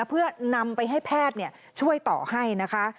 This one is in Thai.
เพื่อนำไปให้แพทย์ช่วยต่อให้นะคะ